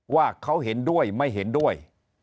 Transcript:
ว่าเขาเห็นด้วยไม่เห็นด้วย